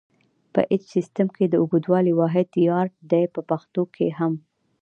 په ایچ سیسټم کې د اوږدوالي واحد یارډ دی په پښتو کې هم.